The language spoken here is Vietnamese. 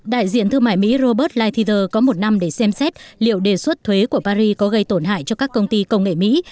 đại diện thương mại mỹ robert lighthizer có một năm để xem xét liệu đề xuất thuế của paris có gây tổn hại cho các công ty công nghệ mỹ